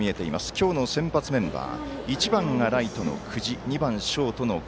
今日の先発メンバー。